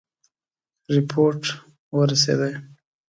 رپوټ ورسېدی.